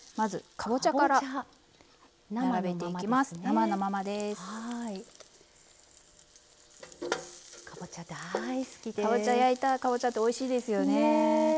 かぼちゃ焼いたかぼちゃっておいしいですよね。